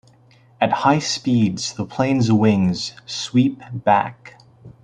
At high speeds the plane's wings "sweep back".